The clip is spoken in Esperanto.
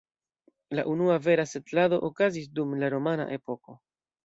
La unua vera setlado okazis dum la romana epoko.